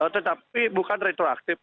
tetapi bukan retroaktif